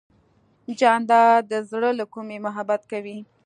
جانداد د زړه له کومې محبت کوي.